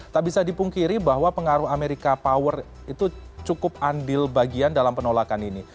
tak bisa dipungkiri bahwa pengaruh amerika power itu cukup andil bagian dalam penolakan ini